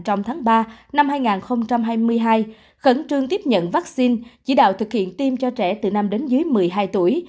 trong tháng ba năm hai nghìn hai mươi hai khẩn trương tiếp nhận vaccine chỉ đạo thực hiện tiêm cho trẻ từ năm đến dưới một mươi hai tuổi